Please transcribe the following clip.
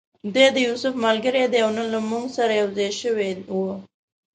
دی د یوسف ملګری دی او نن له موږ سره یو ځای شوی و.